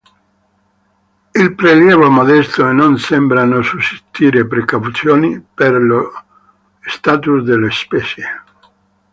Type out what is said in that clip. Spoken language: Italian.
Il prelievo è modesto e non sembrano sussistere preoccupazioni per lo status della specie.